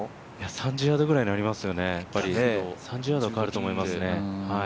３０ヤードぐらいになりますよね、３０ヤードは変わると思います